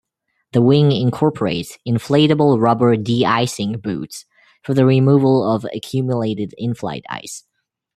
The wing incorporates inflatable rubber deicing boots for the removal of accumulated inflight ice.